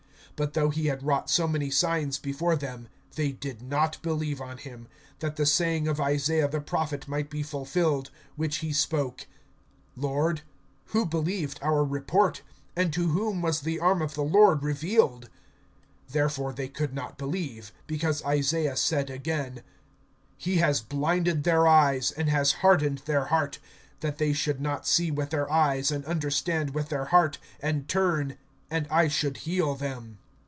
(37)But though he had wrought so many signs before them, they did not believe on him; (38)that the saying of Isaiah the prophet might be fulfilled, which he spoke: Lord, who believed our report, And to whom was the arm of the Lord revealed? (39)Therefore they could not believe, because Isaiah said again: (40)He has blinded their eyes, And has hardened their heart; That they should not see with their eyes, And understand with their heart, And turn, and I should heal them.